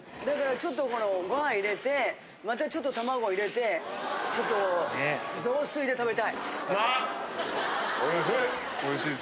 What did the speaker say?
だからちょっとご飯入れてまたちょっと卵入れてちょっと雑炊で食べたい。